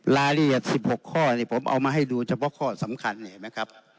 รายละเอียด๑๖ข้อผมเอามาให้ดูเฉพาะข้อสำคัญเห็นไหมครับ